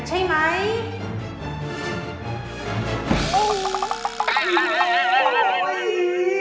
เจ้าพี่